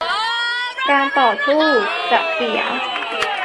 การต่อสู้จะเสีย